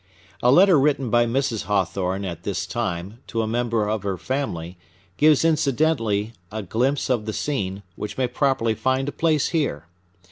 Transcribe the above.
A letter written by Mrs. Hawthorne, at this time, to a member of her family, gives incidentally a glimpse of the scene, which may properly find a place here.